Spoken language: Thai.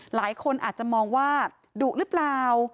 หลายคนอาจจะมองว่าดุหรือเปล่า